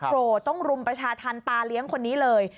โหดต้องรุมประชาธรรมตาเลี้ยงคนนี้เลย